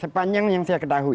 sepanjang yang saya ketahui